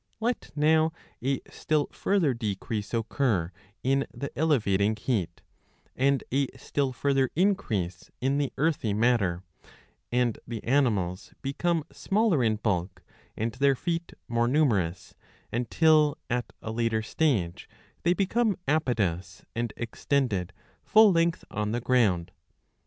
Let now a still further decrease occur in the ^^ elevating heat, and a still further increase in the earthy matter, and the animals become smaller in bulk, and their feet more numerous, until at a later stage they become apodous, and extended full length on the ground.